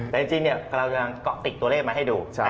แต่จริงเรายังเกาะติดตัวเลขมาให้ดู